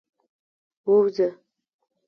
ووځه.